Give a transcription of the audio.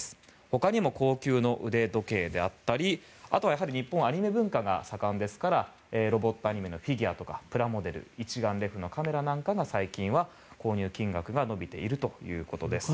ほかにも高級腕時計であったりあとは日本はアニメ文化が盛んですからロボットアニメのフィギュアやプラモデル一眼レフのカメラなんかが最近は購入金額が伸びているということです。